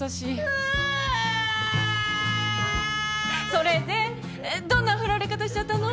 それでどんな振られ方しちゃったの？